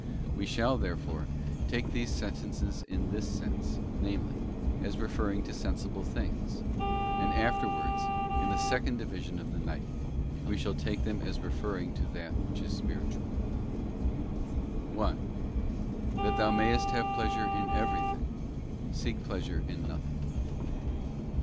We shall, therefore, take these sentences in this sense, namely, as referring to sensible things, and after wards, in the second division of the night, we shall take them as referring to that which is spiritual. 1. That thou mayest have pleasure in everything, seek pleasure in nothing.